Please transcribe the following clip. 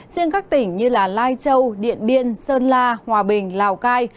riêng các tỉnh như lai châu điện biên sơn la hòa bình lào cai